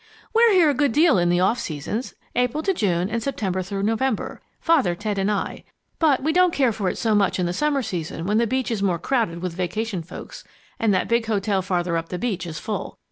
"We're here a good deal in the off seasons April to June, and September through November. Father, Ted, and I, but we don't care for it so much in the summer season when the beach is more crowded with vacation folks and that big hotel farther up the beach is full.